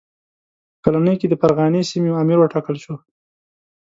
په کلنۍ کې د فرغانې سیمې امیر وټاکل شو.